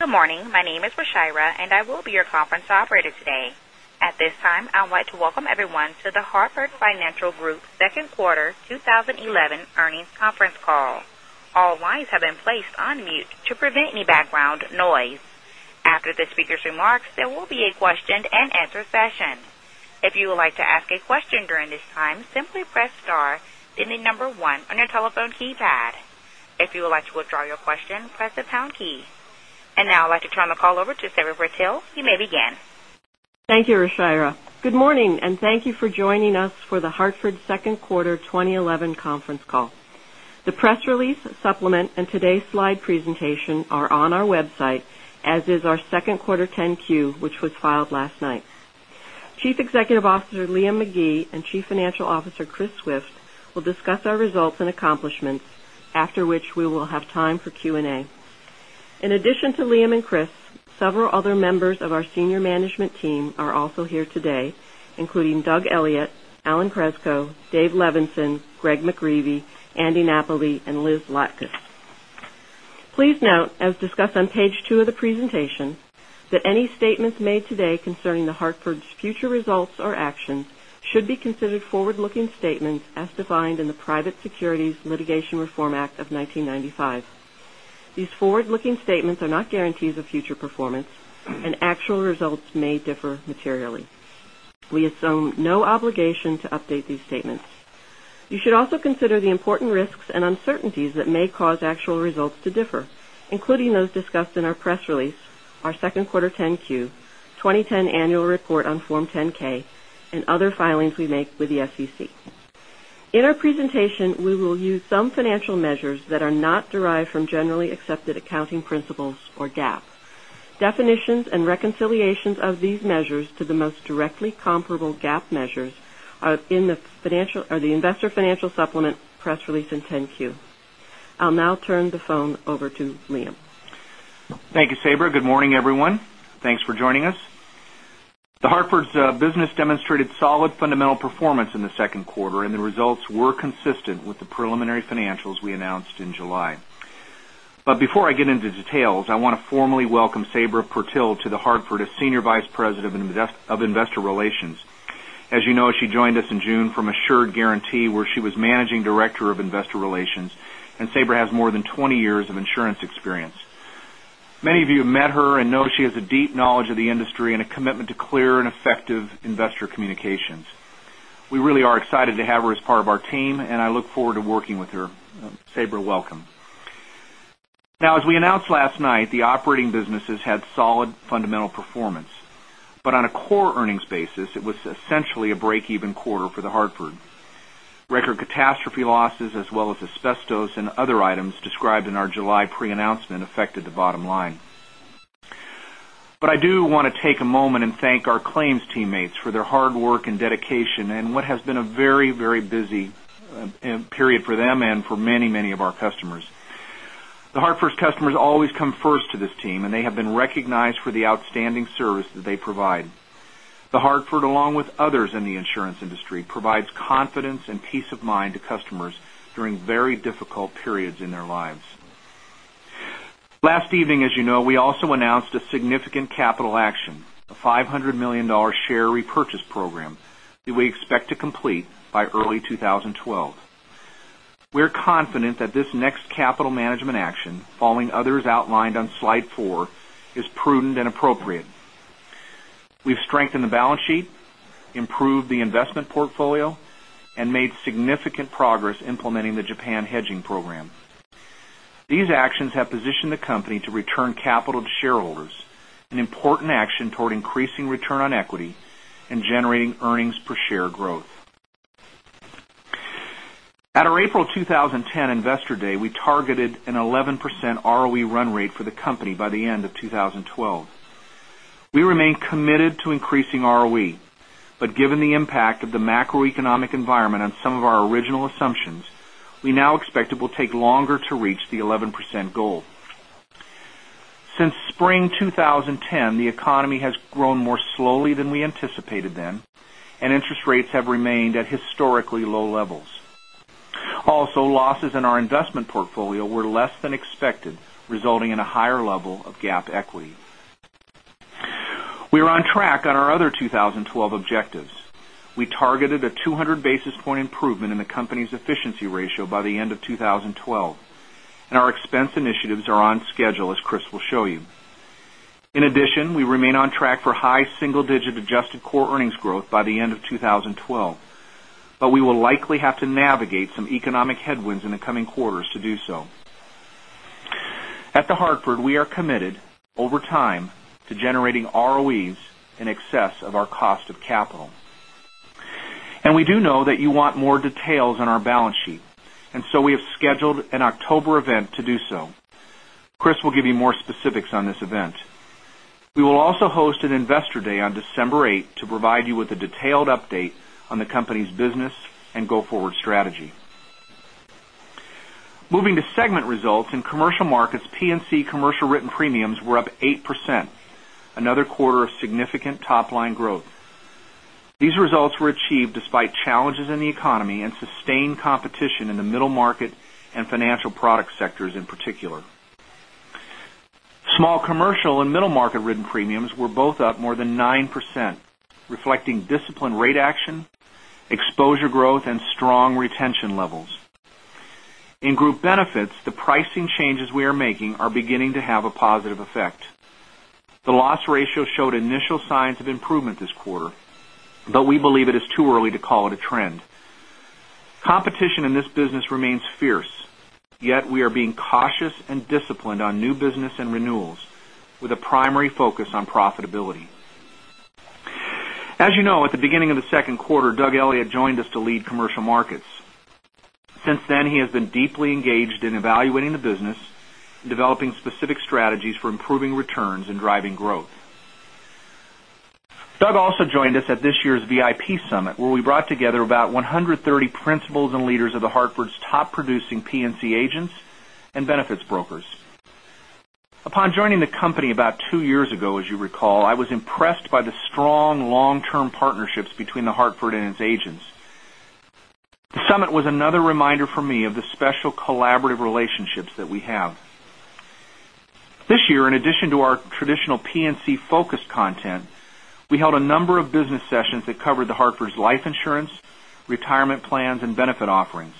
Good morning. My name is Rashira, and I will be your conference operator today. At this time, I would like to welcome everyone to The Hartford Financial Group second quarter 2011 earnings conference call. All lines have been placed on mute to prevent any background noise. After the speaker's remarks, there will be a question and answer session. If you would like to ask a question during this time, simply press star, then the number one on your telephone keypad. If you would like to withdraw your question, press the pound key. Now I'd like to turn the call over to Sabra Purtill. You may begin. Thank you, Rashira. Good morning, and thank you for joining us for The Hartford's second quarter 2011 conference call. The press release supplement and today's slide presentation are on our website, as is our second quarter 10-Q, which was filed last night. Chief Executive Officer, Liam McGee, and Chief Financial Officer, Chris Swift, will discuss our results and accomplishments. After which we will have time for Q&A. In addition to Liam and Chris, several other members of our senior management team are also here today, including Douglas Elliot, Alan Kreps, David Levenson, Gregory McGreevey, Andy Napoli, and Lizabeth Lutkus. Please note, as discussed on page two of the presentation, that any statements made today concerning The Hartford's future results or actions should be considered forward-looking statements as defined in the Private Securities Litigation Reform Act of 1995. These forward-looking statements are not guarantees of future performance, and actual results may differ materially. We assume no obligation to update these statements. You should also consider the important risks and uncertainties that may cause actual results to differ, including those discussed in our press release, our second quarter 10-Q, 2010 annual report on Form 10-K, and other filings we make with the SEC. In our presentation, we will use some financial measures that are not derived from generally accepted accounting principles, or GAAP. Definitions and reconciliations of these measures to the most directly comparable GAAP measures are in the investor financial supplement, press release, and 10-Q. I'll now turn the phone over to Liam. Thank you, Sabra. Good morning, everyone. Thanks for joining us. The Hartford's business demonstrated solid fundamental performance in the second quarter, and the results were consistent with the preliminary financials we announced in July. Before I get into details, I want to formally welcome Sabra Purtill to The Hartford as Senior Vice President of Investor Relations. As you know, she joined us in June from Assured Guaranty, where she was Managing Director of Investor Relations, and Sabra has more than 20 years of insurance experience. Many of you have met her and know she has a deep knowledge of the industry and a commitment to clear and effective investor communications. We really are excited to have her as part of our team, and I look forward to working with her. Sabra, welcome. Now, as we announced last night, the operating businesses had solid fundamental performance. On a core earnings basis, it was essentially a break-even quarter for The Hartford. Record catastrophe losses, as well as asbestos and other items described in our July pre-announcement affected the bottom line. I do want to take a moment and thank our claims teammates for their hard work and dedication in what has been a very busy period for them and for many of our customers. The Hartford's customers always come first to this team, and they have been recognized for the outstanding service that they provide. The Hartford, along with others in the insurance industry, provides confidence and peace of mind to customers during very difficult periods in their lives. Last evening, as you know, we also announced a significant capital action, a $500 million share repurchase program that we expect to complete by early 2012. We're confident that this next capital management action, following others outlined on slide four, is prudent and appropriate. We've strengthened the balance sheet, improved the investment portfolio, and made significant progress implementing the Japan hedging program. These actions have positioned the company to return capital to shareholders, an important action toward increasing return on equity and generating earnings per share growth. At our April 2010 Investor Day, we targeted an 11% ROE run rate for the company by the end of 2012. We remain committed to increasing ROE, given the impact of the macroeconomic environment on some of our original assumptions, we now expect it will take longer to reach the 11% goal. Since spring 2010, the economy has grown more slowly than we anticipated then, and interest rates have remained at historically low levels. Losses in our investment portfolio were less than expected, resulting in a higher level of GAAP equity. We are on track on our other 2012 objectives. We targeted a 200 basis point improvement in the company's efficiency ratio by the end of 2012, our expense initiatives are on schedule, as Chris will show you. In addition, we remain on track for high single-digit adjusted core earnings growth by the end of 2012. We will likely have to navigate some economic headwinds in the coming quarters to do so. At The Hartford, we are committed over time to generating ROEs in excess of our cost of capital. We do know that you want more details on our balance sheet, so we have scheduled an October event to do so. Chris will give you more specifics on this event. We will also host an Investor Day on December 8th to provide you with a detailed update on the company's business and go-forward strategy. Moving to segment results, in Commercial Markets, P&C commercial written premiums were up 8%, another quarter of significant top-line growth. These results were achieved despite challenges in the economy and sustained competition in the middle market and financial product sectors in particular. Small commercial and middle market written premiums were both up more than 9%, reflecting disciplined rate action, exposure growth, and strong retention levels. In group benefits, the pricing changes we are making are beginning to have a positive effect. The loss ratio showed initial signs of improvement this quarter, we believe it is too early to call it a trend. Competition in this business remains fierce, yet we are being cautious and disciplined on new business and renewals with a primary focus on profitability. As you know, at the beginning of the second quarter, Douglas Elliot joined us to lead Commercial Markets. Since then, he has been deeply engaged in evaluating the business, developing specific strategies for improving returns and driving growth. Douglas also joined us at this year's VIP Summit, where we brought together about 130 principals and leaders of The Hartford's top producing P&C agents and benefits brokers. Upon joining the company about two years ago, as you recall, I was impressed by the strong long-term partnerships between The Hartford and its agents. The summit was another reminder for me of the special collaborative relationships that we have. This year, in addition to our traditional P&C focus content, we held a number of business sessions that covered The Hartford's life insurance, retirement plans, and benefit offerings,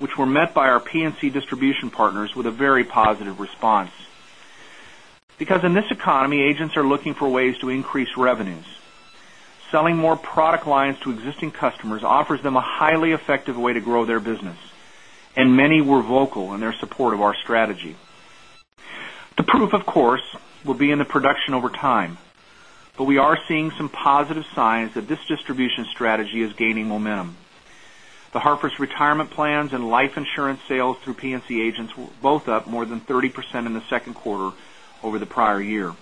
which were met by our P&C distribution partners with a very positive response. In this economy, agents are looking for ways to increase revenues. Selling more product lines to existing customers offers them a highly effective way to grow their business, and many were vocal in their support of our strategy. The proof, of course, will be in the production over time, but we are seeing some positive signs that this distribution strategy is gaining momentum. The Hartford's retirement plans and life insurance sales through P&C agents were both up more than 30% in the second quarter over the prior year.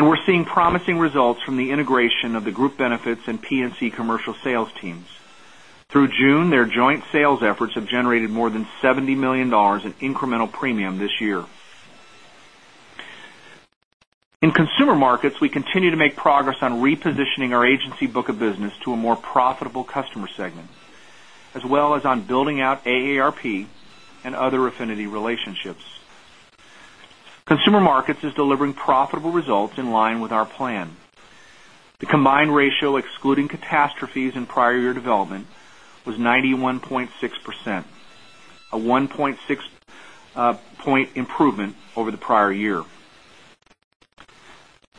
We're seeing promising results from the integration of the group benefits and P&C commercial sales teams. Through June, their joint sales efforts have generated more than $70 million in incremental premium this year. In Consumer Markets, we continue to make progress on repositioning our agency book of business to a more profitable customer segment, as well as on building out AARP and other affinity relationships. Consumer Markets is delivering profitable results in line with our plan. The combined ratio, excluding catastrophes and prior year development, was 91.6%, a 1.6 point improvement over the prior year.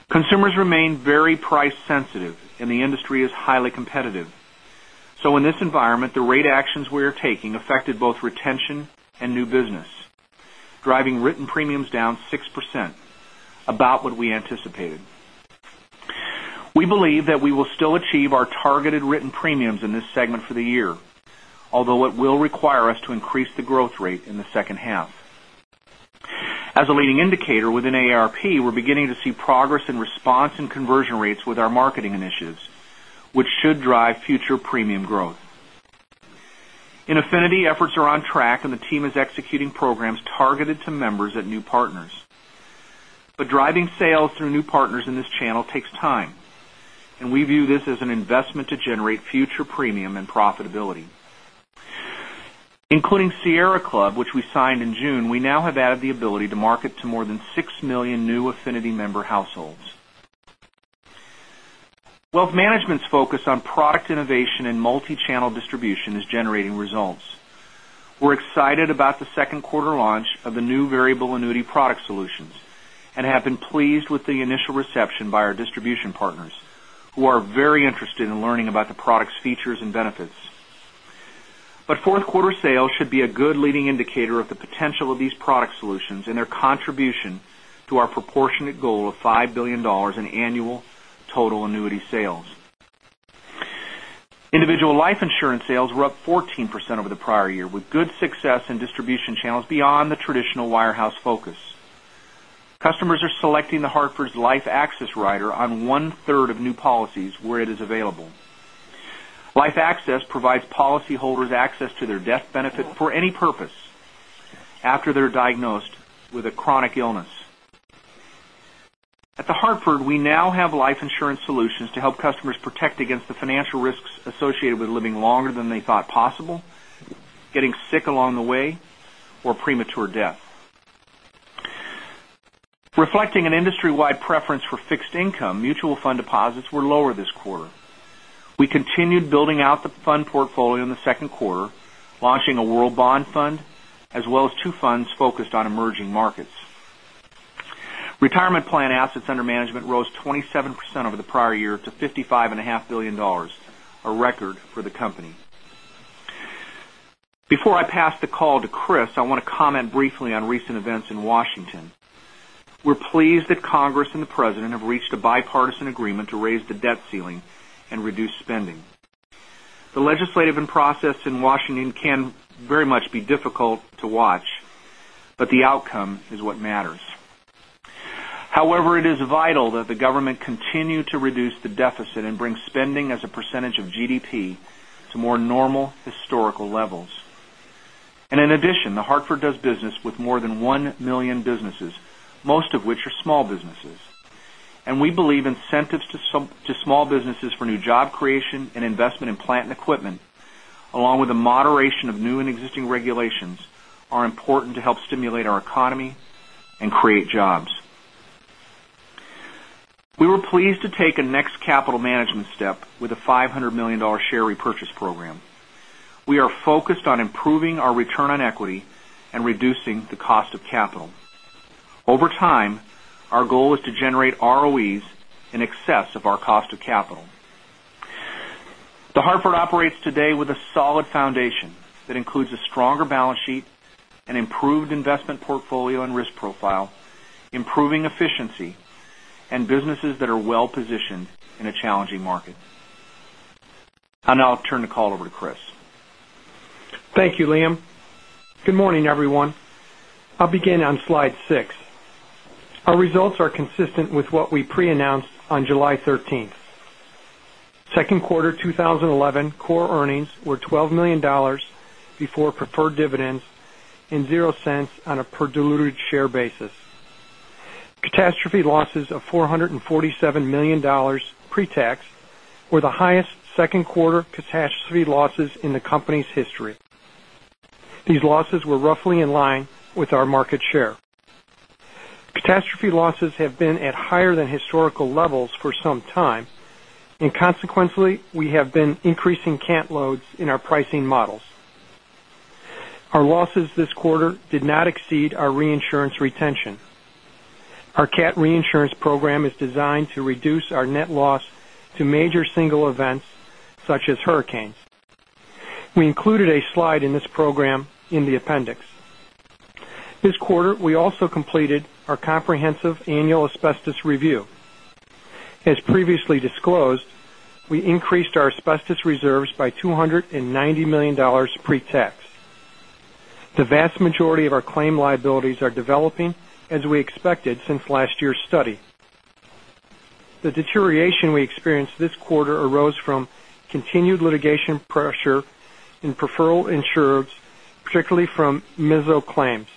Consumers remain very price sensitive, and the industry is highly competitive. In this environment, the rate actions we are taking affected both retention and new business, driving written premiums down 6%, about what we anticipated. We believe that we will still achieve our targeted written premiums in this segment for the year, although it will require us to increase the growth rate in the second half. As a leading indicator within AARP, we're beginning to see progress in response and conversion rates with our marketing initiatives, which should drive future premium growth. In Affinity, efforts are on track and the team is executing programs targeted to members at new partners. Driving sales through new partners in this channel takes time, and we view this as an investment to generate future premium and profitability. Including Sierra Club, which we signed in June, we now have added the ability to market to more than six million new Affinity member households. Wealth Management's focus on product innovation and multi-channel distribution is generating results. We're excited about the second quarter launch of the new variable annuity product solutions and have been pleased with the initial reception by our distribution partners, who are very interested in learning about the product's features and benefits. Fourth quarter sales should be a good leading indicator of the potential of these product solutions and their contribution to our proportionate goal of $5 billion in annual total annuity sales. Individual life insurance sales were up 14% over the prior year, with good success in distribution channels beyond the traditional wire house focus. Customers are selecting The Hartford's Life Access rider on one-third of new policies where it is available. Life Access provides policyholders access to their death benefit for any purpose after they're diagnosed with a chronic illness. At The Hartford, we now have life insurance solutions to help customers protect against the financial risks associated with living longer than they thought possible, getting sick along the way, or premature death. Reflecting an industry-wide preference for fixed income, mutual fund deposits were lower this quarter. We continued building out the fund portfolio in the second quarter, launching a world bond fund as well as two funds focused on emerging markets. Retirement plan assets under management rose 27% over the prior year to $55.5 billion, a record for the company. Before I pass the call to Chris, I want to comment briefly on recent events in Washington. We're pleased that Congress and the President have reached a bipartisan agreement to raise the debt ceiling and reduce spending. The legislative process in Washington can very much be difficult to watch, but the outcome is what matters. However, it is vital that the government continue to reduce the deficit and bring spending as a percentage of GDP to more normal historical levels. In addition, The Hartford does business with more than one million businesses, most of which are small businesses. We believe incentives to small businesses for new job creation and investment in plant and equipment, along with the moderation of new and existing regulations, are important to help stimulate our economy and create jobs. We were pleased to take a next capital management step with a $500 million share repurchase program. We are focused on improving our return on equity and reducing the cost of capital. Over time, our goal is to generate ROEs in excess of our cost of capital. The Hartford operates today with a solid foundation that includes a stronger balance sheet, an improved investment portfolio and risk profile, improving efficiency, and businesses that are well-positioned in a challenging market. I'll now turn the call over to Chris. Thank you, Liam. Good morning, everyone. I'll begin on slide six. Our results are consistent with what we pre-announced on July 13th. Second quarter 2011 core earnings were $12 million before preferred dividends and $0.00 on a per diluted share basis. Catastrophe losses of $447 million pre-tax were the highest second quarter catastrophe losses in the company's history. These losses were roughly in line with our market share. Catastrophe losses have been at higher than historical levels for some time, consequently, we have been increasing cat loads in our pricing models. Our losses this quarter did not exceed our reinsurance retention. Our cat reinsurance program is designed to reduce our net loss to major single events, such as hurricanes. We included a slide in this program in the appendix. This quarter, we also completed our comprehensive annual asbestos review. As previously disclosed, we increased our asbestos reserves by $290 million pre-tax. The vast majority of our claim liabilities are developing as we expected since last year's study. The deterioration we experienced this quarter arose from continued litigation pressure in referral insureds, particularly from MSLO claims.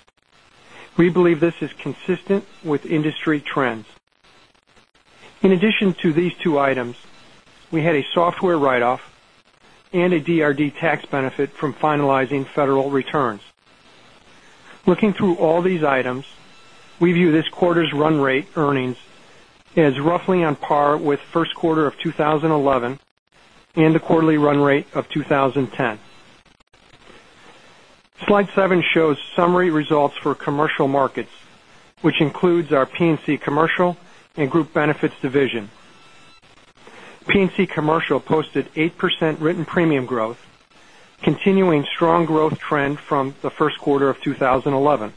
We believe this is consistent with industry trends. In addition to these two items, we had a software write-off and a DRD tax benefit from finalizing federal returns. Looking through all these items, we view this quarter's run rate earnings as roughly on par with first quarter of 2011 and the quarterly run rate of 2010. Slide seven shows summary results for Commercial Markets, which includes our P&C Commercial and Group Benefits division. P&C Commercial posted 8% written premium growth, continuing strong growth trend from the first quarter of 2011.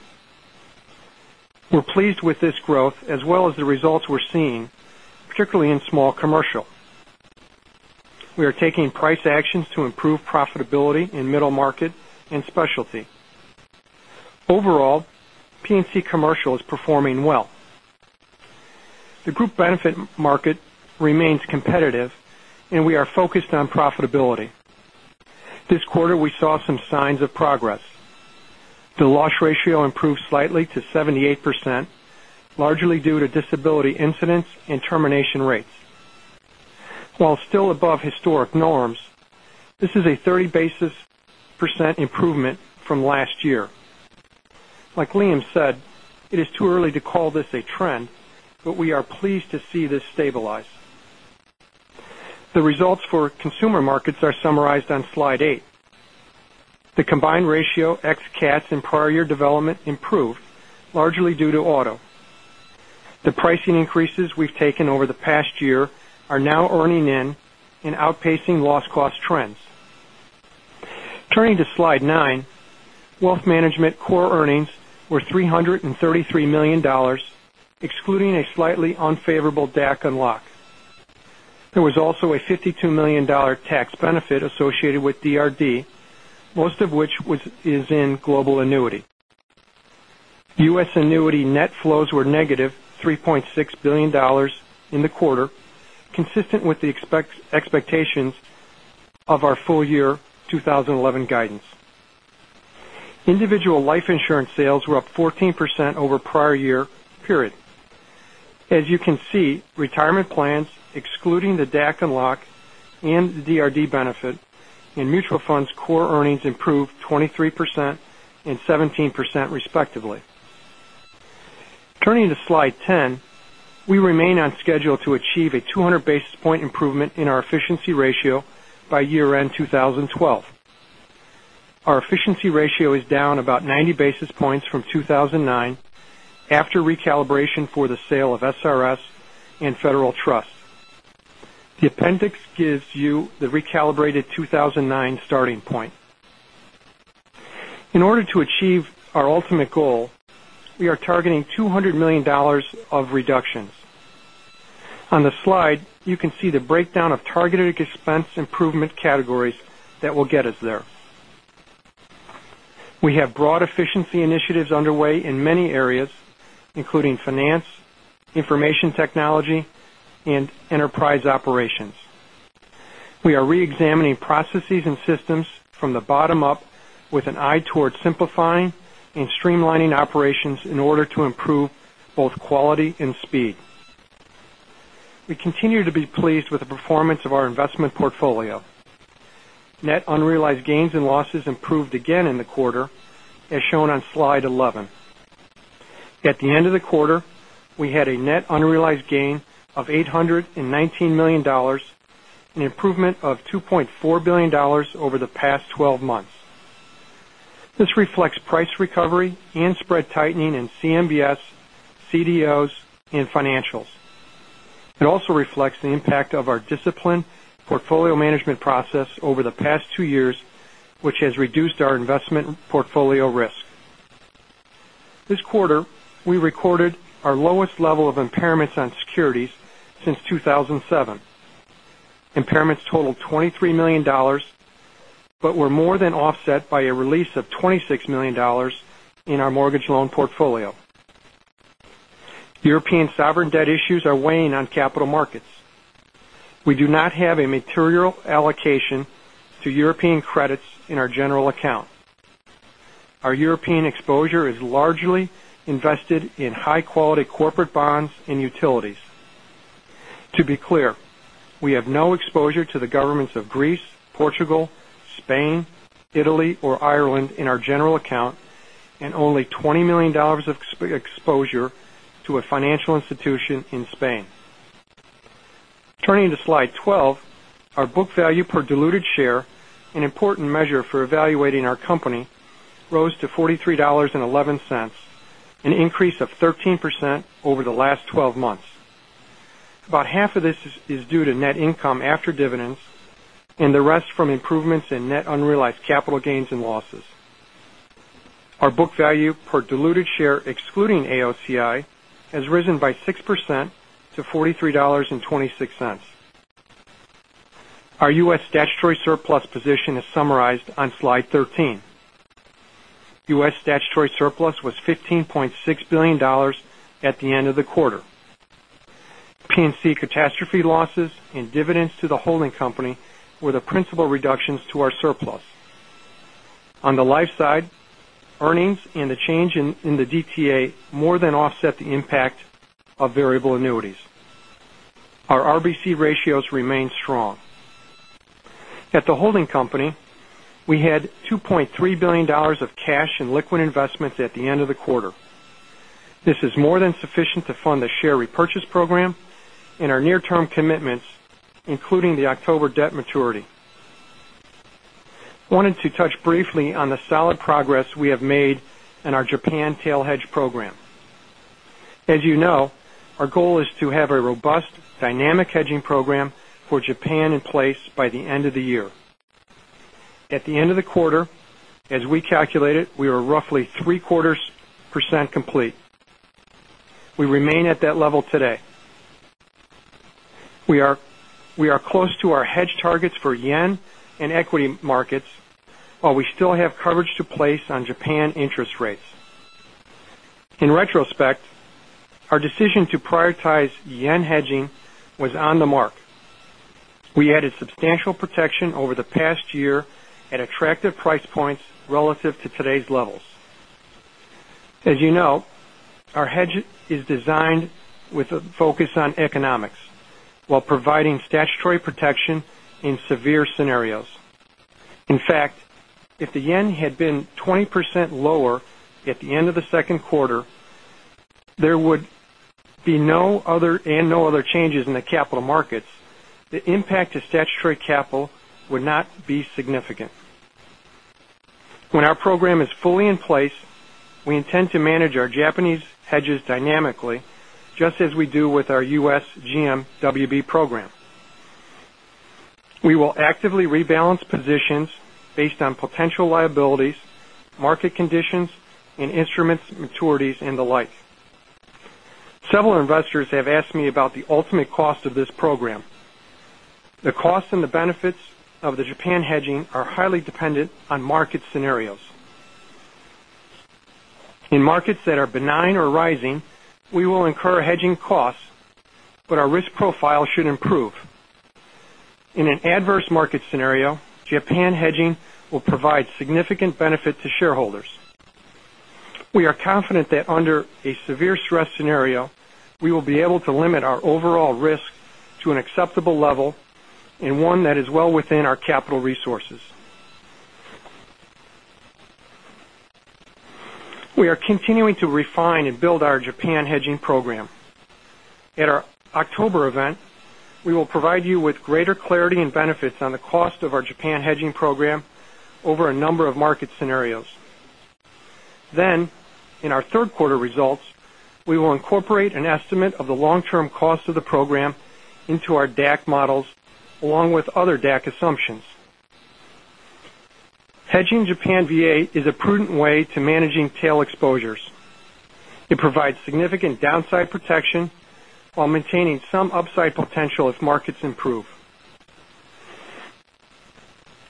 We're pleased with this growth as well as the results we're seeing, particularly in small commercial. We are taking price actions to improve profitability in middle market and specialty. Overall, P&C Commercial is performing well. The group benefit market remains competitive, and we are focused on profitability. This quarter, we saw some signs of progress. The loss ratio improved slightly to 78%, largely due to disability incidents and termination rates. While still above historic norms, this is a 30% improvement from last year. Like Liam said, it is too early to call this a trend, but we are pleased to see this stabilize. The results for Consumer Markets are summarized on Slide eight. The combined ratio ex cat and prior year development improved, largely due to auto. The pricing increases we've taken over the past year are now earning in and outpacing loss cost trends. Turning to slide nine, Wealth Management core earnings were $333 million, excluding a slightly unfavorable DAC unlock. There was also a $52 million tax benefit associated with DRD, most of which is in global annuity. U.S. annuity net flows were negative $3.6 billion in the quarter, consistent with the expectations of our full year 2011 guidance. Individual life insurance sales were up 14% over prior year period. As you can see, retirement plans, excluding the DAC unlock and the DRD benefit in mutual funds, core earnings improved 23% and 17%, respectively. Turning to slide 10, we remain on schedule to achieve a 200 basis point improvement in our efficiency ratio by year-end 2012. Our efficiency ratio is down about 90 basis points from 2009 after recalibration for the sale of SRS and Federal Trust. The appendix gives you the recalibrated 2009 starting point. In order to achieve our ultimate goal, we are targeting $200 million of reductions. On the slide, you can see the breakdown of targeted expense improvement categories that will get us there. We have broad efficiency initiatives underway in many areas, including finance, information technology, and enterprise operations. We are re-examining processes and systems from the bottom up with an eye toward simplifying and streamlining operations in order to improve both quality and speed. We continue to be pleased with the performance of our investment portfolio. Net unrealized gains and losses improved again in the quarter, as shown on slide 11. At the end of the quarter, we had a net unrealized gain of $819 million, an improvement of $2.4 billion over the past 12 months. This reflects price recovery and spread tightening in CMBS, CDOs, and financials. It also reflects the impact of our disciplined portfolio management process over the past two years, which has reduced our investment portfolio risk. This quarter, we recorded our lowest level of impairments on securities since 2007. Impairments totaled $23 million, but were more than offset by a release of $26 million in our mortgage loan portfolio. European sovereign debt issues are weighing on capital markets. We do not have a material allocation to European credits in our general account. Our European exposure is largely invested in high-quality corporate bonds and utilities. To be clear, we have no exposure to the governments of Greece, Portugal, Spain, Italy, or Ireland in our general account, and only $20 million of exposure to a financial institution in Spain. Turning to slide 12, our book value per diluted share, an important measure for evaluating our company, rose to $43.11, an increase of 13% over the last 12 months. About half of this is due to net income after dividends, and the rest from improvements in net unrealized capital gains and losses. Our book value per diluted share, excluding AOCI, has risen by 6% to $43.26. Our U.S. statutory surplus position is summarized on slide 13. U.S. statutory surplus was $15.6 billion at the end of the quarter. P&C catastrophe losses and dividends to the holding company were the principal reductions to our surplus. On the life side, earnings and the change in the DTA more than offset the impact of variable annuities. Our RBC ratios remain strong. At the holding company, we had $2.3 billion of cash and liquid investments at the end of the quarter. This is more than sufficient to fund the share repurchase program and our near-term commitments, including the October debt maturity. Wanted to touch briefly on the solid progress we have made in our Japan tail hedge program. As you know, our goal is to have a robust, dynamic hedging program for Japan in place by the end of the year. At the end of the quarter, as we calculated, we were roughly three-quarters percent complete. We remain at that level today. We are close to our hedge targets for yen and equity markets, while we still have coverage to place on Japan interest rates. In retrospect, our decision to prioritize yen hedging was on the mark. We added substantial protection over the past year at attractive price points relative to today's levels. As you know, our hedge is designed with a focus on economics while providing statutory protection in severe scenarios. In fact, if the yen had been 20% lower at the end of the second quarter and no other changes in the capital markets, the impact to statutory capital would not be significant. When our program is fully in place, we intend to manage our Japanese hedges dynamically, just as we do with our U.S. GMWB program. We will actively rebalance positions based on potential liabilities, market conditions, and instruments, maturities, and the like. Several investors have asked me about the ultimate cost of this program. The costs and the benefits of the Japan hedging are highly dependent on market scenarios. In markets that are benign or rising, we will incur hedging costs, but our risk profile should improve. In an adverse market scenario, Japan hedging will provide significant benefit to shareholders. We are confident that under a severe stress scenario, we will be able to limit our overall risk to an acceptable level and one that is well within our capital resources. We are continuing to refine and build our Japan hedging program. At our October event, we will provide you with greater clarity and benefits on the cost of our Japan hedging program over a number of market scenarios. In our third-quarter results, we will incorporate an estimate of the long-term cost of the program into our DAC models, along with other DAC assumptions. Hedging Japan VA is a prudent way to managing tail exposures. It provides significant downside protection while maintaining some upside potential if markets improve.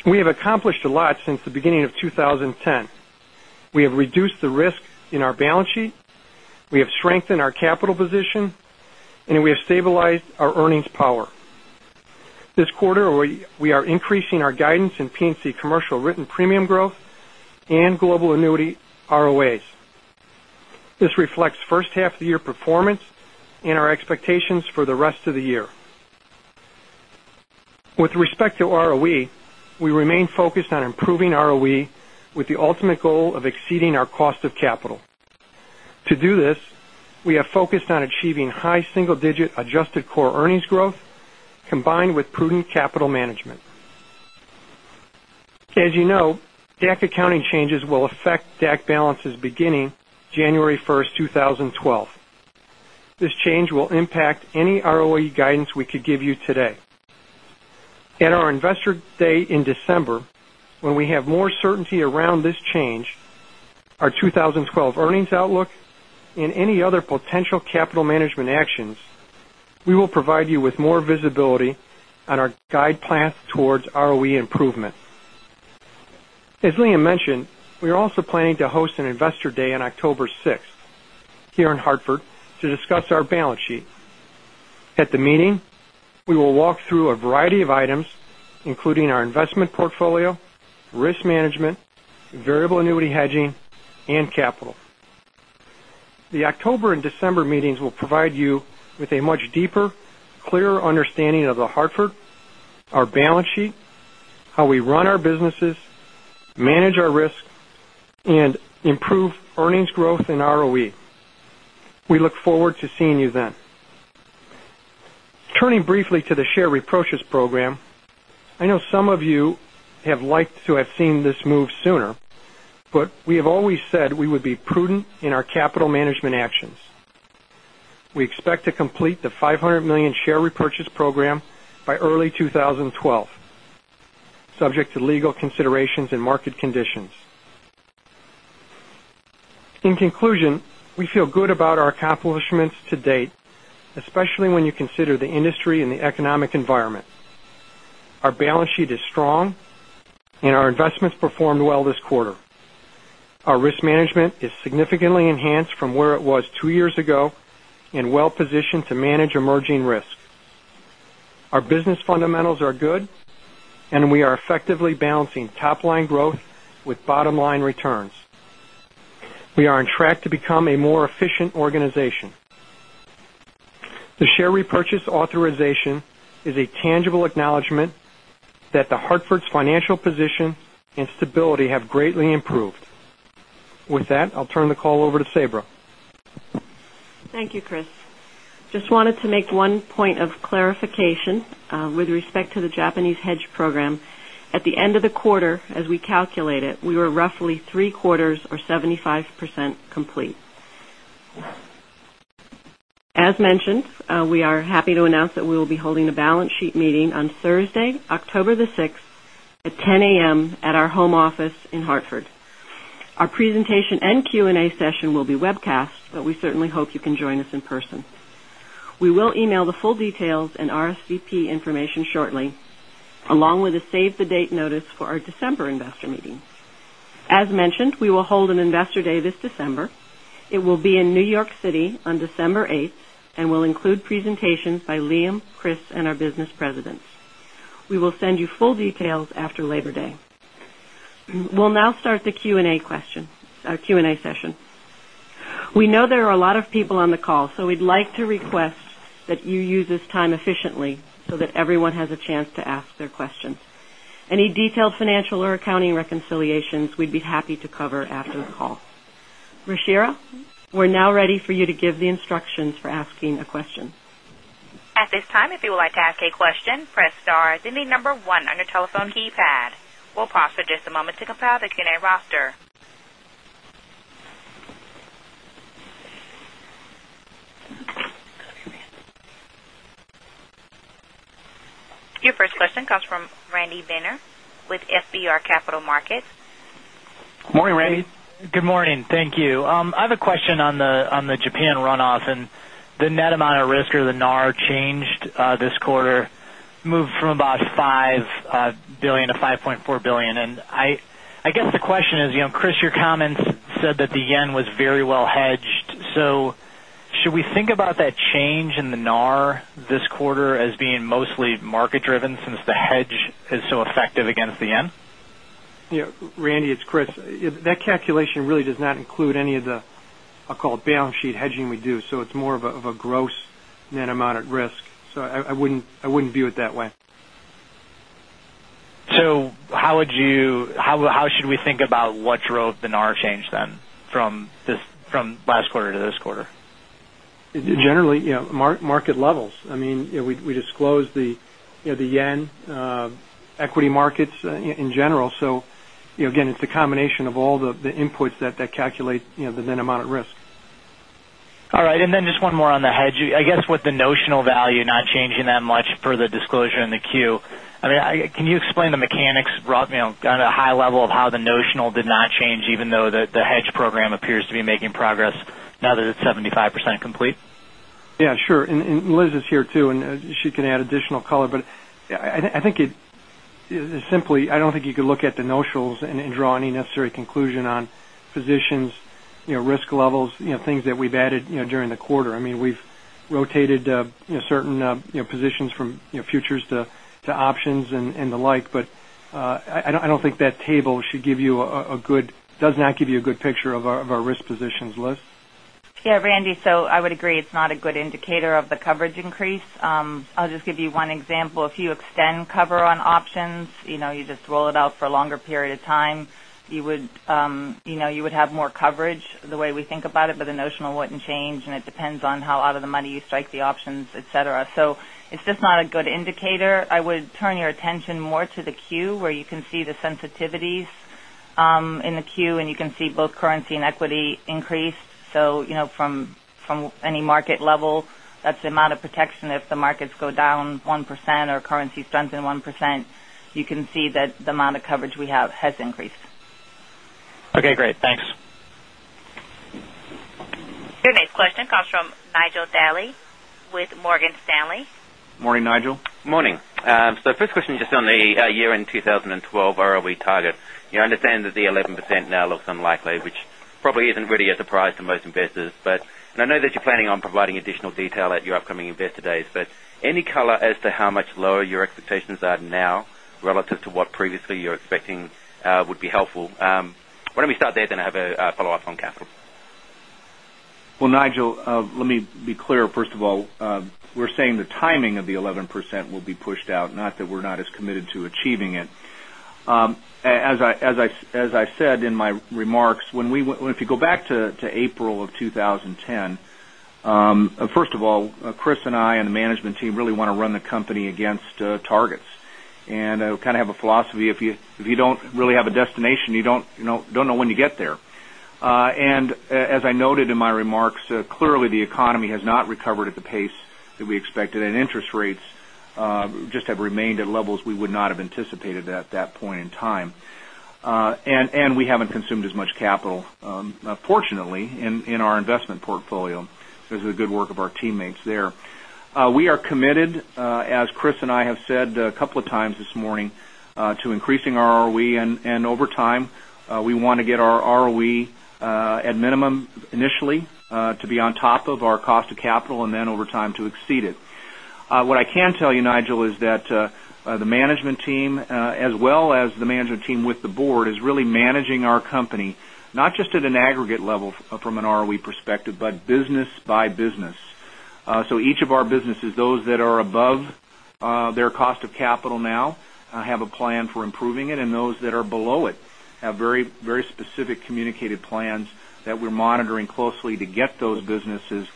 We have accomplished a lot since the beginning of 2010. We have reduced the risk in our balance sheet, we have strengthened our capital position, and we have stabilized our earnings power. This quarter, we are increasing our guidance in P&C commercial written premium growth and global annuity ROAs. This reflects first half of the year performance and our expectations for the rest of the year. With respect to ROE, we remain focused on improving ROE with the ultimate goal of exceeding our cost of capital. To do this, we are focused on achieving high single-digit adjusted core earnings growth, combined with prudent capital management. As you know, DAC accounting changes will affect DAC balances beginning January 1st, 2012. This change will impact any ROE guidance we could give you today. At our investor day in December, when we have more certainty around this change, our 2012 earnings outlook, and any other potential capital management actions, we will provide you with more visibility on our guide path towards ROE improvement. As Liam mentioned, we are also planning to host an investor day on October 6th here in Hartford to discuss our balance sheet. At the meeting, we will walk through a variety of items, including our investment portfolio, risk management, variable annuity hedging, and capital. The October and December meetings will provide you with a much deeper, clearer understanding of The Hartford, our balance sheet, how we run our businesses, manage our risk, and improve earnings growth and ROE. We look forward to seeing you then. Turning briefly to the share repurchase program, I know some of you have liked to have seen this move sooner, but we have always said we would be prudent in our capital management actions. We expect to complete the $500 million share repurchase program by early 2012, subject to legal considerations and market conditions. In conclusion, we feel good about our accomplishments to date, especially when you consider the industry and the economic environment. Our balance sheet is strong, and our investments performed well this quarter. Our risk management is significantly enhanced from where it was two years ago and well-positioned to manage emerging risk. Our business fundamentals are good, and we are effectively balancing top-line growth with bottom-line returns. We are on track to become a more efficient organization. The share repurchase authorization is a tangible acknowledgment that The Hartford's financial position and stability have greatly improved. With that, I'll turn the call over to Sabra. Thank you, Chris. Just wanted to make one point of clarification with respect to the Japanese hedge program. At the end of the quarter, as we calculate it, we were roughly three-quarters or 75% complete. As mentioned, we are happy to announce that we will be holding a balance sheet meeting on Thursday, October the 6th at 10:00 A.M. at our home office in Hartford. Our presentation and Q&A session will be webcast, but we certainly hope you can join us in person. We will email the full details and RSVP information shortly, along with a save-the-date notice for our December investor meeting. As mentioned, we will hold an investor day this December. It will be in New York City on December 8th and will include presentations by Liam, Chris, and our business presidents. We will send you full details after Labor Day. We'll now start the Q&A session. We know there are a lot of people on the call, so we'd like to request that you use this time efficiently so that everyone has a chance to ask their questions. Any detailed financial or accounting reconciliations, we'd be happy to cover after the call. Rashira, we're now ready for you to give the instructions for asking a question. At this time, if you would like to ask a question, press star, then the number one on your telephone keypad. We'll pause for just a moment to compile the Q&A roster. Your first question comes from Randy Binner with FBR Capital Markets. Morning, Randy. Good morning. Thank you. I have a question on the Japan runoff and the net amount of risk, or the NAR, changed this quarter, moved from about $5 billion to $5.4 billion. I guess the question is, Chris Swift, your comments said that the yen was very well hedged. Should we think about that change in the NAR this quarter as being mostly market-driven since the hedge is so effective against the yen? Randy, it's Chris Swift. That calculation really does not include any of the, I'll call it balance sheet hedging we do. It's more of a gross net amount at risk. I wouldn't view it that way. How should we think about what drove the NAR change then from last quarter to this quarter? Generally, market levels. We disclose the Yen equity markets in general. Again, it's a combination of all the inputs that calculate the net amount at risk. All right. Then just one more on the hedge. I guess with the notional value not changing that much per the disclosure in the 10-Q, can you explain the mechanics on a high level of how the notional did not change, even though the hedge program appears to be making progress now that it's 75% complete? Yeah, sure. Liz is here too, and she can add additional color, but I think it is simply, I don't think you could look at the notionals and draw any necessary conclusion on positions, risk levels, things that we've added during the quarter. We've rotated certain positions from futures to options and the like. I don't think that table does not give you a good picture of our risk positions. Liz? Yeah, Randy. I would agree, it's not a good indicator of the coverage increase. I'll just give you one example. If you extend cover on options, you just roll it out for a longer period of time. You would have more coverage the way we think about it, the notional wouldn't change, it depends on how out of the money you strike the options, et cetera. It's just not a good indicator. I would turn your attention more to the 10-Q where you can see the sensitivities in the 10-Q, you can see both currency and equity increased. From any market level, that's the amount of protection if the markets go down 1% or currency strengthens 1%, you can see that the amount of coverage we have has increased. Okay, great. Thanks. Your next question comes from Nigel Dally with Morgan Stanley. Morning, Nigel. Morning. First question, just on the year-end 2012 ROE target. I understand that the 11% now looks unlikely, which probably isn't really a surprise to most investors. I know that you're planning on providing additional detail at your upcoming investor days, but any color as to how much lower your expectations are now relative to what previously you're expecting would be helpful. Why don't we start there then I have a follow-up on capital. Well, Nigel, let me be clear. First of all, we're saying the timing of the 11% will be pushed out, not that we're not as committed to achieving it. As I said in my remarks, if you go back to April of 2010, first of all, Chris and I and the management team really want to run the company against targets. We kind of have a philosophy, if you don't really have a destination, you don't know when you get there. As I noted in my remarks, clearly the economy has not recovered at the pace that we expected, and interest rates just have remained at levels we would not have anticipated at that point in time. We haven't consumed as much capital, fortunately, in our investment portfolio. This is the good work of our teammates there. We are committed, as Chris and I have said a couple of times this morning, to increasing our ROE. Over time, we want to get our ROE at minimum initially to be on top of our cost of capital, and then over time to exceed it. What I can tell you, Nigel, is that the management team as well as the management team with the board is really managing our company, not just at an aggregate level from an ROE perspective, but business by business. Each of our businesses, those that are above their cost of capital now have a plan for improving it, and those that are below it have very specific communicated plans that we're monitoring closely to get those businesses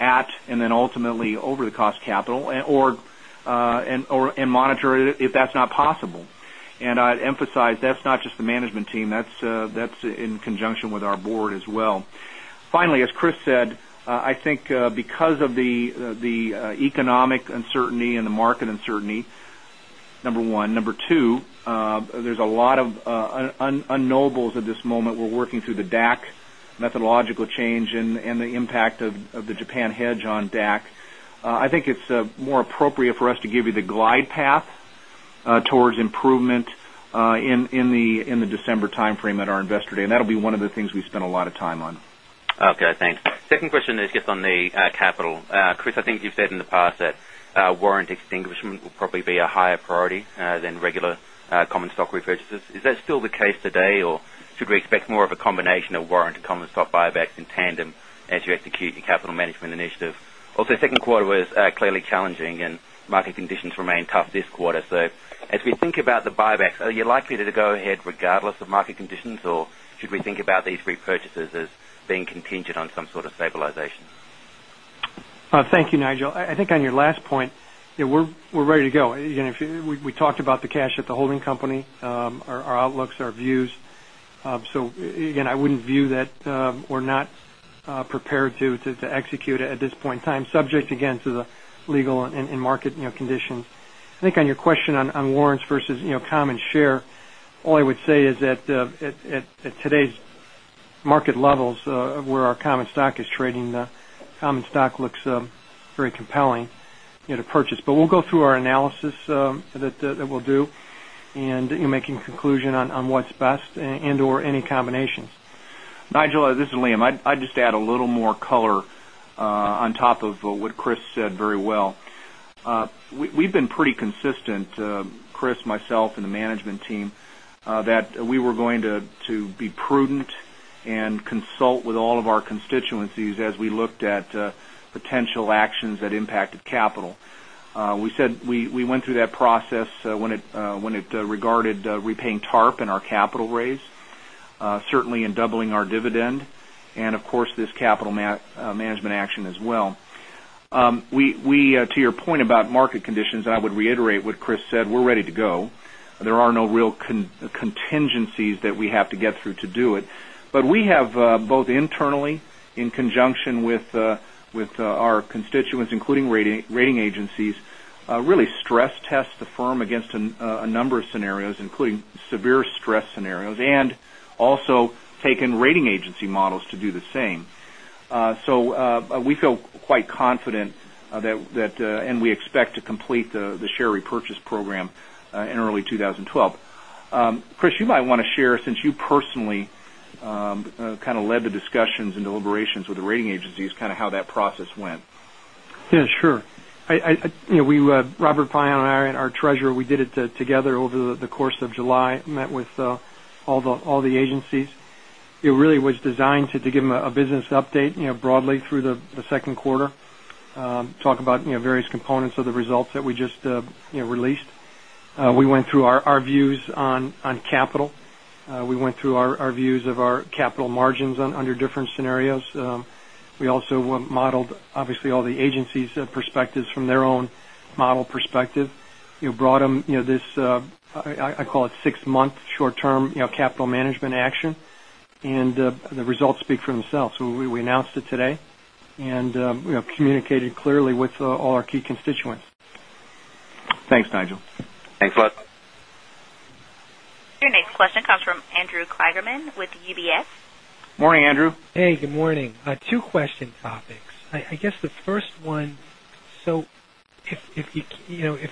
at and then ultimately over the cost of capital or, and monitor it if that's not possible. I'd emphasize, that's not just the management team. That's in conjunction with our board as well. Finally, as Chris said, I think because of the economic uncertainty and the market uncertainty, number one. Number two, there's a lot of unknowables at this moment. We're working through the DAC methodological change and the impact of the Japan hedge on DAC. I think it's more appropriate for us to give you the glide path towards improvement in the December timeframe at our investor day. That'll be one of the things we spend a lot of time on. Okay, thanks. Second question is just on the capital. Chris, I think you've said in the past that warrant extinguishment will probably be a higher priority than regular common stock repurchases. Is that still the case today, or should we expect more of a combination of warrant and common stock buybacks in tandem as you execute your capital management initiative? Also, second quarter was clearly challenging and market conditions remain tough this quarter. As we think about the buybacks, are you likely to go ahead regardless of market conditions, or should we think about these repurchases as being contingent on some sort of stabilization? Thank you, Nigel. I think on your last point, we're ready to go. We talked about the cash at the holding company, our outlooks, our views. Again, I wouldn't view that we're not prepared to execute it at this point in time, subject again to the legal and market conditions. I think on your question on warrants versus common share, all I would say is that at today's market levels where our common stock is trading, the common stock looks very compelling to purchase. We'll go through our analysis that we'll do and making a conclusion on what's best and/or any combinations. Nigel, this is Liam. I'd just add a little more color on top of what Chris said very well. We've been pretty consistent, Chris, myself, and the management team, that we were going to be prudent and consult with all of our constituencies as we looked at potential actions that impacted capital. We went through that process when it regarded repaying TARP and our capital raise, certainly in doubling our dividend, and of course, this capital management action as well. To your point about market conditions, I would reiterate what Chris said. We're ready to go. There are no real contingencies that we have to get through to do it. We have both internally in conjunction with our constituents, including rating agencies, really stress test the firm against a number of scenarios, including severe stress scenarios and Also taken rating agency models to do the same. We feel quite confident, and we expect to complete the share repurchase program in early 2012. Chris, you might want to share, since you personally kind of led the discussions and deliberations with the rating agencies, kind of how that process went. Yeah, sure. Robert Paiano and I, our treasurer, we did it together over the course of July, met with all the agencies. It really was designed to give them a business update broadly through the second quarter, talk about various components of the results that we just released. We went through our views on capital. We went through our views of our capital margins under different scenarios. We also modeled, obviously, all the agencies' perspectives from their own model perspective. Brought them this, I call it six-month short-term capital management action, and the results speak for themselves. We announced it today and communicated clearly with all our key constituents. Thanks, Nigel. Thanks, Bud. Your next question comes from Andrew Kligerman with UBS. Morning, Andrew. Hey, good morning. Two question topics. I guess the first one, if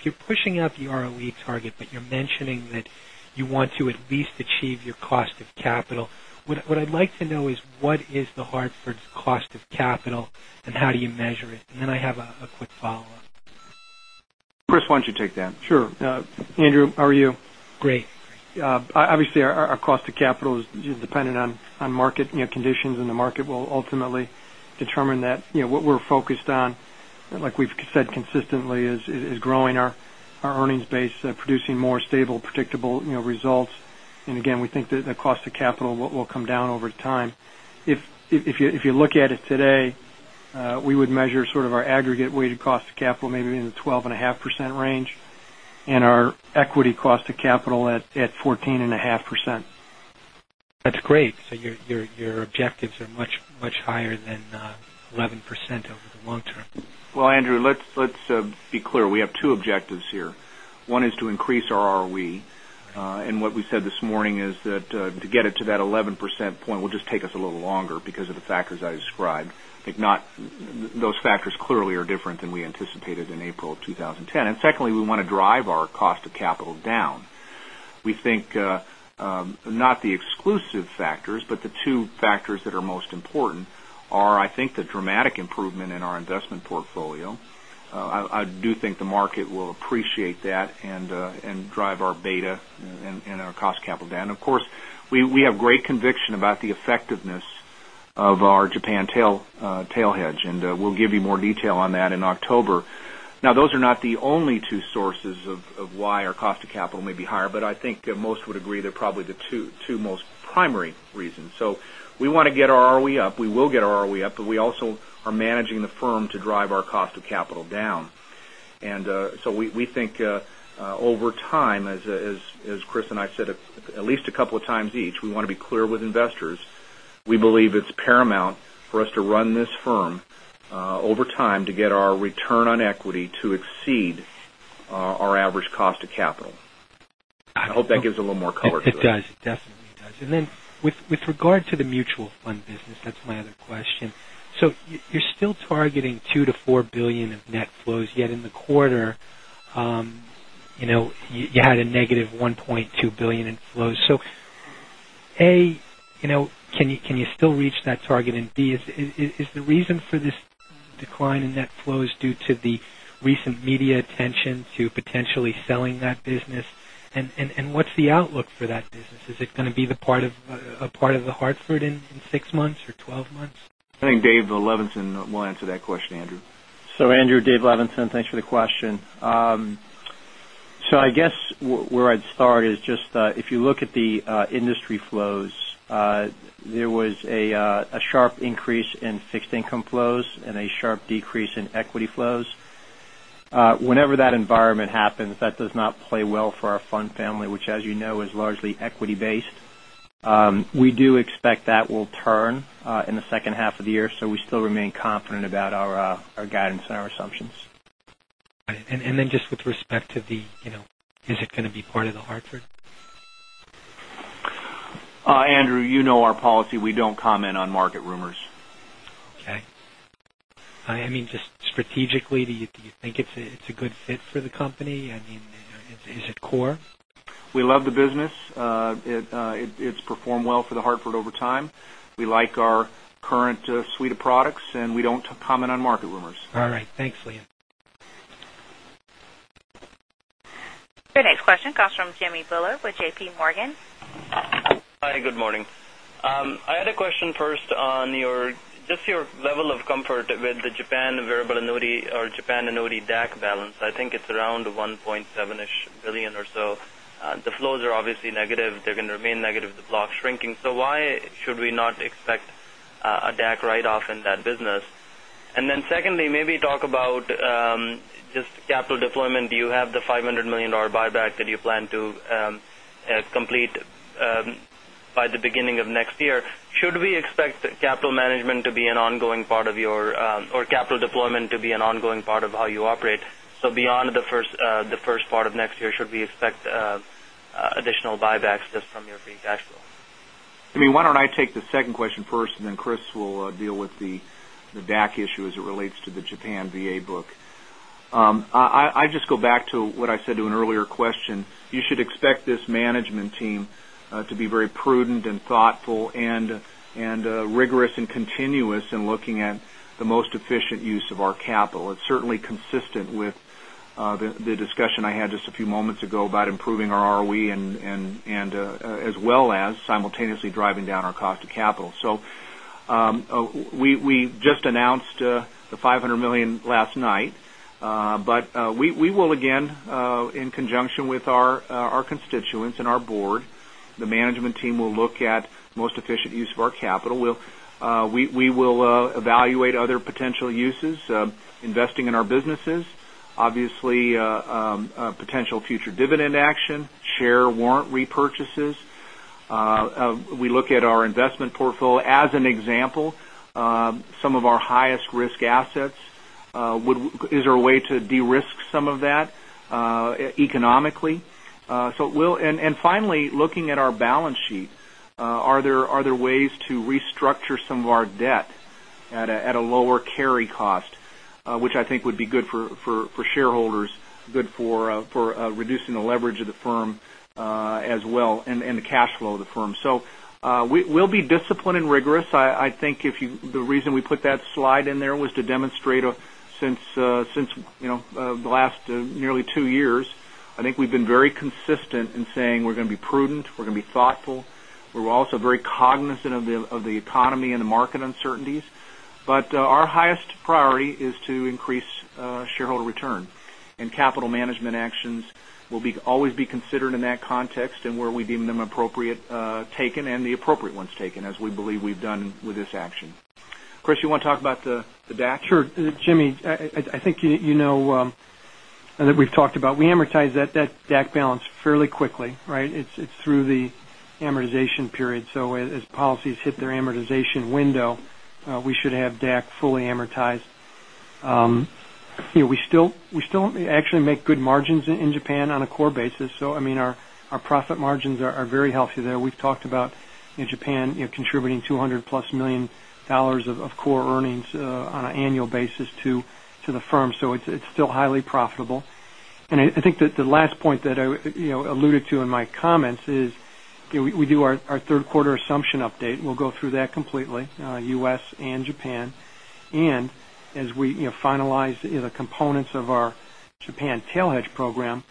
you're pushing out the ROE target but you're mentioning that you want to at least achieve your cost of capital, what I'd like to know is what is The Hartford's cost of capital and how do you measure it? I have a quick follow-up. Chris, why don't you take that? Sure. Andrew, how are you? Great. Obviously, our cost of capital is dependent on market conditions, the market will ultimately determine that. What we're focused on, like we've said consistently, is growing our earnings base, producing more stable, predictable results. Again, we think that the cost of capital will come down over time. If you look at it today, we would measure sort of our aggregate weighted cost of capital maybe in the 12.5% range, and our equity cost of capital at 14.5%. That's great. Your objectives are much higher than 11% over the long term. Well, Andrew, let's be clear. We have two objectives here. One is to increase our ROE. What we said this morning is that to get it to that 11% point will just take us a little longer because of the factors I described. Those factors clearly are different than we anticipated in April of 2010. Secondly, we want to drive our cost of capital down. We think not the exclusive factors, but the two factors that are most important are, I think, the dramatic improvement in our investment portfolio. I do think the market will appreciate that and drive our beta and our cost of capital down. Of course, we have great conviction about the effectiveness of our Japan tail hedge, and we'll give you more detail on that in October. Those are not the only two sources of why our cost of capital may be higher, but I think most would agree they're probably the two most primary reasons. We want to get our ROE up. We will get our ROE up, but we also are managing the firm to drive our cost of capital down. We think over time, as Chris and I said at least a couple of times each, we want to be clear with investors. We believe it's paramount for us to run this firm over time to get our return on equity to exceed our average cost of capital. I hope that gives a little more color to it. It does. It definitely does. With regard to the mutual fund business, that's my other question. You're still targeting $2 billion-$4 billion of net flows, yet in the quarter, you had a negative $1.2 billion in flows. A, can you still reach that target? B, is the reason for this decline in net flows due to the recent media attention to potentially selling that business? What's the outlook for that business? Is it going to be a part of The Hartford in 6 months or 12 months? I think David Levenson will answer that question, Andrew. Andrew, David Levenson. Thanks for the question. I guess where I'd start is just if you look at the industry flows, there was a sharp increase in fixed income flows and a sharp decrease in equity flows. Whenever that environment happens, that does not play well for our fund family, which as you know, is largely equity based. We do expect that will turn in the second half of the year. We still remain confident about our guidance and our assumptions. Just with respect to the, is it going to be part of The Hartford? Andrew, you know our policy. We don't comment on market rumors. Okay. I mean, just strategically, do you think it's a good fit for the company? I mean, is it core? We love the business. It's performed well for The Hartford over time. We like our current suite of products. We don't comment on market rumors. All right. Thanks, Liam. Your next question comes from Jimmy Bhullar with J.P. Morgan. Hi, good morning. I had a question first on just your level of comfort with the Japan variable annuity or Japan annuity DAC balance. I think it's around $1.7 billion or so. The flows are obviously negative. They're going to remain negative with the block shrinking. Why should we not expect a DAC write-off in that business? Secondly, maybe talk about just capital deployment. You have the $500 million buyback that you plan to complete by the beginning of next year. Should we expect capital management to be an ongoing part of capital deployment to be an ongoing part of how you operate? Beyond the first part of next year, should we expect additional buybacks just from your free cash flow? I mean, why don't I take the second question first, and then Chris will deal with the DAC issue as it relates to the Japan VA book. I just go back to what I said to an earlier question. You should expect this management team to be very prudent and thoughtful and rigorous and continuous in looking at the most efficient use of our capital. It's certainly consistent with the discussion I had just a few moments ago about improving our ROE and as well as simultaneously driving down our cost of capital. We just announced the $500 million last night. We will again, in conjunction with our constituents and our board, the management team will look at the most efficient use of our capital. We will evaluate other potential uses, investing in our businesses, obviously, potential future dividend action, share warrant repurchases. We look at our investment portfolio as an example. Some of our highest-risk assets, is there a way to de-risk some of that economically? Finally, looking at our balance sheet, are there ways to restructure some of our debt at a lower carry cost, which I think would be good for shareholders, good for reducing the leverage of the firm as well, and the cash flow of the firm. We'll be disciplined and rigorous. I think the reason we put that slide in there was to demonstrate since the last nearly two years, I think we've been very consistent in saying we're going to be prudent, we're going to be thoughtful. We're also very cognizant of the economy and the market uncertainties. Our highest priority is to increase shareholder return, and capital management actions will always be considered in that context and where we deem them appropriate, taken, and the appropriate ones taken, as we believe we've done with this action. Chris, you want to talk about the DAC? Sure. Jimmy, I think you know that we've talked about, we amortize that DAC balance fairly quickly. It's through the amortization period. As policies hit their amortization window, we should have DAC fully amortized. We still actually make good margins in Japan on a core basis. Our profit margins are very healthy there. We've talked about Japan contributing $200+ million of core earnings on an annual basis to the firm. It's still highly profitable. I think that the last point that I alluded to in my comments is we do our third quarter assumption update, and we'll go through that completely, U.S. and Japan. As we finalize the components of our Japan tail hedge program,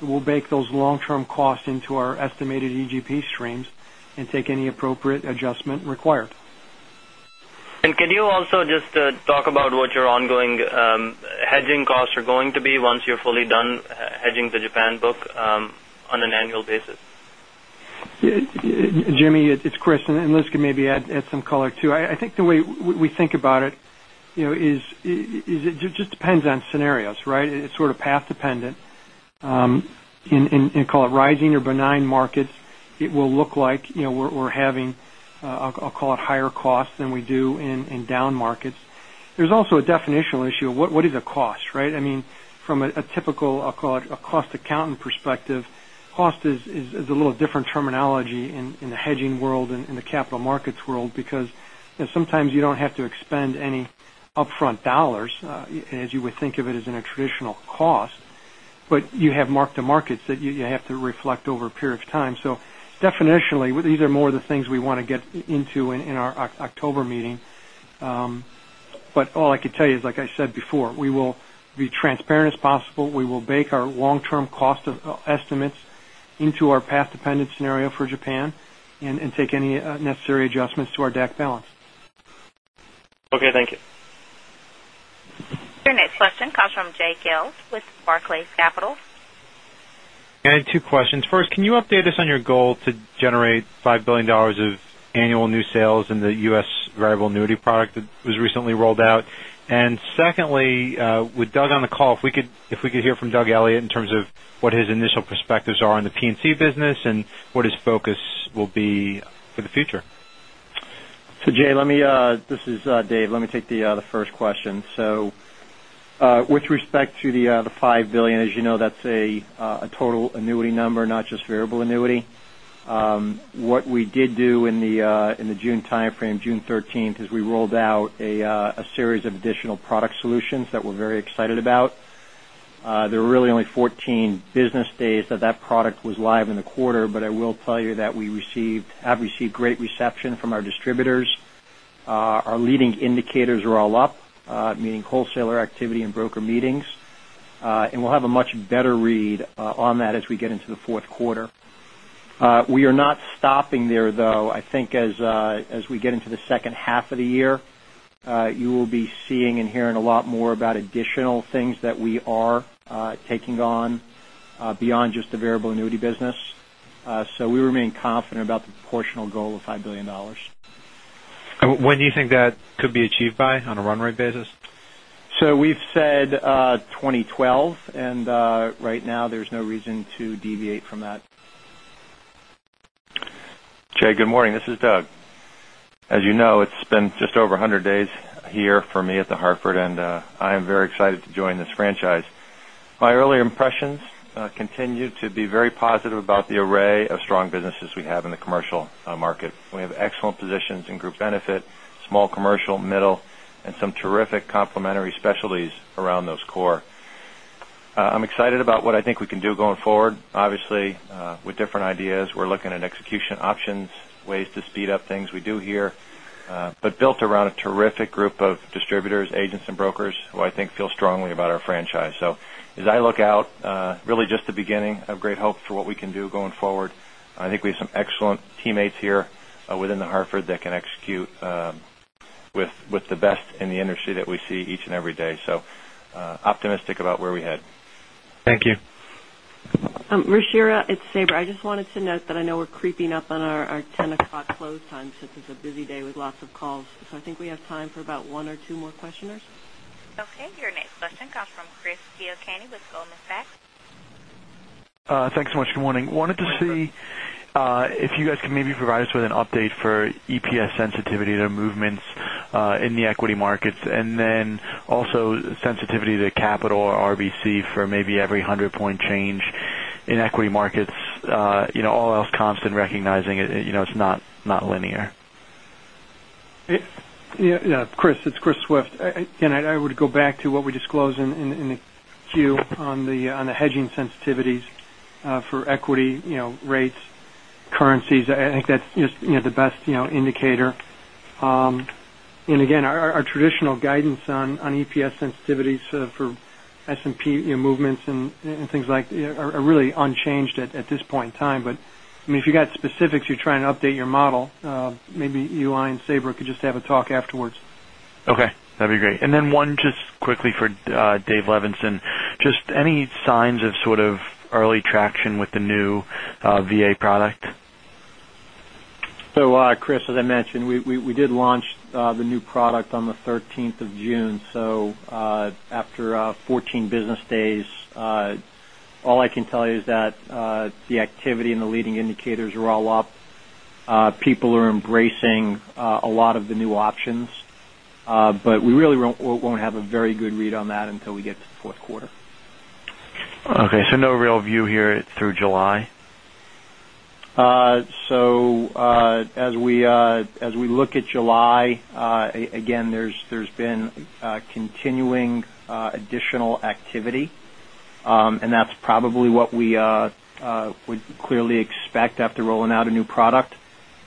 we'll bake those long-term costs into our estimated EGP streams and take any appropriate adjustment required. Could you also just talk about what your ongoing hedging costs are going to be once you're fully done hedging the Japan book on an annual basis? Jimmy, it's Chris, and Liz can maybe add some color, too. I think the way we think about it is it just depends on scenarios. It's sort of path dependent. In call it rising or benign markets, it will look like we're having, I'll call it higher costs than we do in down markets. There's also a definitional issue of what is a cost. From a typical, I'll call it a cost accountant perspective, cost is a little different terminology in the hedging world and the capital markets world because sometimes you don't have to expend any upfront dollars as you would think of it as in a traditional cost. You have mark-to-markets that you have to reflect over a period of time. Definitionally, these are more of the things we want to get into in our October meeting. All I could tell you is, like I said before, we will be transparent as possible. We will bake our long-term cost estimates into our path-dependent scenario for Japan and take any necessary adjustments to our DAC balance. Okay, thank you. Your next question comes from Jay Gelb with Barclays Capital. I have two questions. First, can you update us on your goal to generate $5 billion of annual new sales in the U.S. variable annuity product that was recently rolled out? Secondly, with Doug on the call, if we could hear from Douglas Elliot in terms of what his initial perspectives are on the P&C business and what his focus will be for the future. Jay, this is Dave. Let me take the first question. With respect to the $5 billion, as you know, that's a total annuity number, not just variable annuity. What we did do in the June timeframe, June 13th, is we rolled out a series of additional product solutions that we're very excited about. There were really only 14 business days that product was live in the quarter, I will tell you that we have received great reception from our distributors. Our leading indicators are all up, meaning wholesaler activity and broker meetings. We'll have a much better read on that as we get into the fourth quarter. We are not stopping there, though. I think as we get into the second half of the year, you will be seeing and hearing a lot more about additional things that we are taking on beyond just the variable annuity business. We remain confident about the proportional goal of $5 billion. When do you think that could be achieved by on a run rate basis? We've said 2012, and right now there's no reason to deviate from that. Jay, good morning. This is Doug. As you know, it's been just over 100 days here for me at The Hartford. I am very excited to join this franchise. My early impressions continue to be very positive about the array of strong businesses we have in the commercial market. We have excellent positions in group benefit, small commercial, middle, and some terrific complementary specialties around those core. I'm excited about what I think we can do going forward. Obviously, with different ideas, we're looking at execution options, ways to speed up things we do here, built around a terrific group of distributors, agents, and brokers who I think feel strongly about our franchise. As I look out, really just the beginning of great hope for what we can do going forward. I think we have some excellent teammates here within The Hartford that can execute with the best in the industry that we see each and every day. Optimistic about where we're headed. Thank you. Rashira, it's Sabra. I just wanted to note that I know we're creeping up on our 10:00 A.M. close time since it's a busy day with lots of calls. I think we have time for about one or two more questioners. Okay. Your next question comes from Chris Neczypor with Goldman Sachs. Thanks so much. Good morning. Good morning. Wanted to see if you guys can maybe provide us with an update for EPS sensitivity to movements in the equity markets, and then also sensitivity to capital or RBC for maybe every 100-point change in equity markets, all else constant, recognizing it's not linear. Chris. It's Chris Swift. I would go back to what we disclosed in the Q on the hedging sensitivities for equity rates, currencies. That's just the best indicator. Our traditional guidance on EPS sensitivities for S&P movements and things like are really unchanged at this point in time. If you've got specifics, you're trying to update your model, maybe Eli and Sabra could just have a talk afterwards. That would be great. One just quickly for Dave Levenson. Any signs of sort of early traction with the new VA product? Chris, as I mentioned, we did launch the new product on the 13th of June. After 14 business days, all I can tell you is that the activity and the leading indicators are all up. People are embracing a lot of the new options. We really won't have a very good read on that until we get to the fourth quarter. No real view here through July? As we look at July, again, there's been continuing additional activity. That's probably what we would clearly expect after rolling out a new product.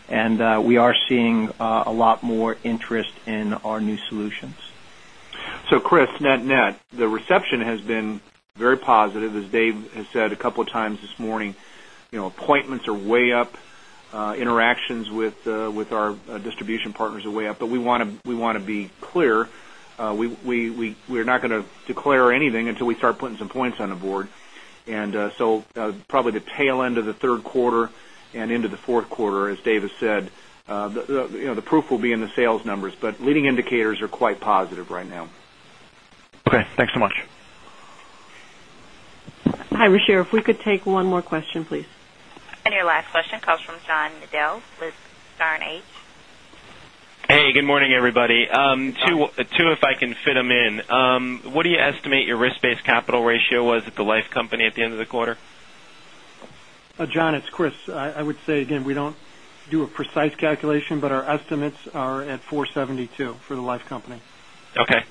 We are seeing a lot more interest in our new solutions. Chris, net-net, the reception has been very positive. As Dave has said a couple of times this morning, appointments are way up, interactions with our distribution partners are way up. We want to be clear. We're not going to declare anything until we start putting some points on the board. Probably the tail end of the third quarter and into the fourth quarter, as Dave has said, the proof will be in the sales numbers, but leading indicators are quite positive right now. Okay. Thanks so much. Hi, Rashira. If we could take one more question, please. Your last question comes from John Nadel with Sterne Agee. Hey, good morning, everybody. Two if I can fit them in. What do you estimate your risk-based capital ratio was at the life company at the end of the quarter? John, it's Chris. I would say, again, we don't do a precise calculation, but our estimates are at 472 for the life company. Okay.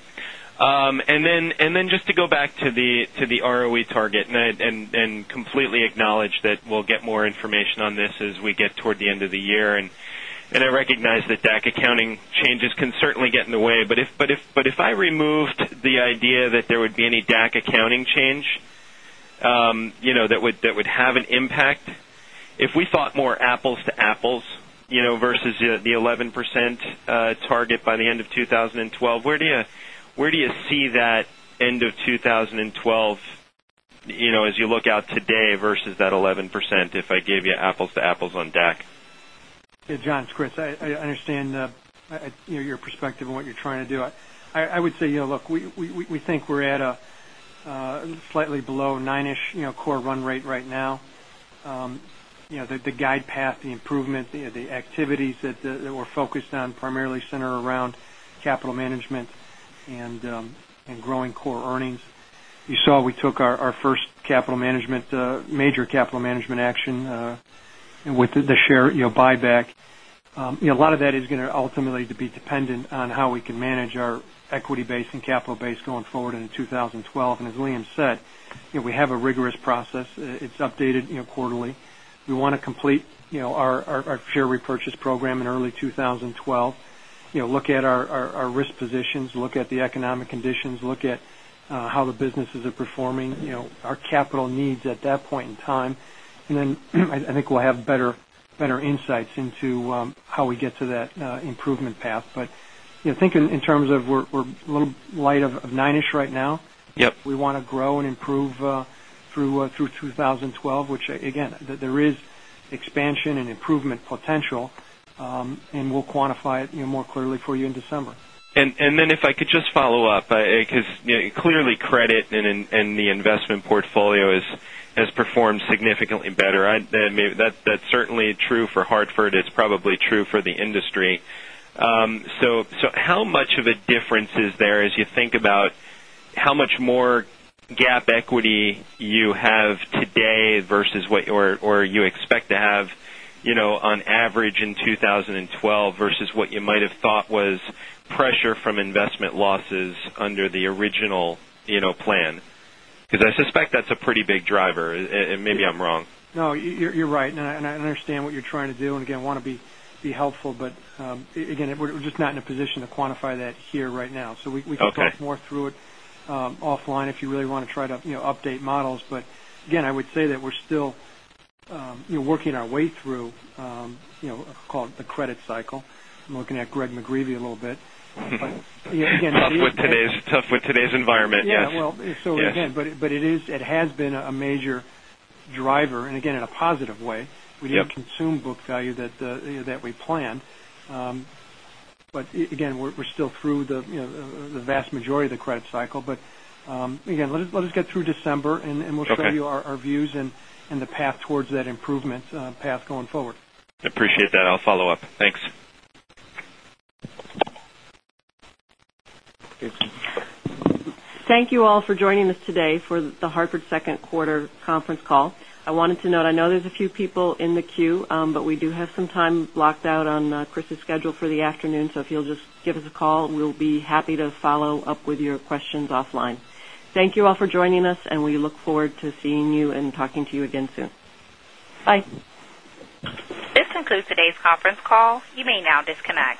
Just to go back to the ROE target and completely acknowledge that we'll get more information on this as we get toward the end of the year. I recognize that DAC accounting changes can certainly get in the way. If I removed the idea that there would be any DAC accounting change that would have an impact, if we thought more apples to apples versus the 11% target by the end of 2012, where do you see that end of 2012 as you look out today versus that 11%, if I gave you apples to apples on DAC? Hey, John. It's Chris. I understand your perspective on what you're trying to do. I would say, look, we think we're at a slightly below nine-ish core run rate right now. The guide path, the improvement, the activities that we're focused on primarily center around capital management and growing core earnings. You saw we took our first major capital management action with the share buyback. A lot of that is going to ultimately be dependent on how we can manage our equity base and capital base going forward into 2012. As Liam said, we have a rigorous process. It's updated quarterly. We want to complete our share repurchase program in early 2012, look at our risk positions, look at the economic conditions, look at how the businesses are performing, our capital needs at that point in time. Then I think we'll have better insights into how we get to that improvement path. Thinking in terms of we're a little light of nine-ish right now. Yep. We want to grow and improve through 2012, which again, there is expansion and improvement potential, and we'll quantify it more clearly for you in December. Then if I could just follow up because clearly credit and the investment portfolio Has performed significantly better. That's certainly true for Hartford. It's probably true for the industry. How much of a difference is there as you think about how much more GAAP equity you have today versus what you expect to have on average in 2012 versus what you might have thought was pressure from investment losses under the original plan? I suspect that's a pretty big driver, and maybe I'm wrong. No, you're right, and I understand what you're trying to do, and again, I want to be helpful. Again, we're just not in a position to quantify that here right now. Okay. We can talk more through it offline if you really want to try to update models. Again, I would say that we're still working our way through, I'll call it the credit cycle. I'm looking at Gregory McGreevey a little bit. Tough with today's environment. Yes. Yeah. Well, again. Yes It has been a major driver, again, in a positive way. Yep. We didn't consume book value that we planned. Again, we're still through the vast majority of the credit cycle. Again, let us get through December. Okay We'll show you our views and the path towards that improvement path going forward. Appreciate that. I'll follow up. Thanks. Thanks. Thank you all for joining us today for The Hartford second quarter conference call. I wanted to note, I know there's a few people in the queue, but we do have some time blocked out on Chris's schedule for the afternoon, so if you'll just give us a call, we'll be happy to follow up with your questions offline. Thank you all for joining us, and we look forward to seeing you and talking to you again soon. Bye. This concludes today's conference call. You may now disconnect.